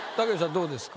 どうですか？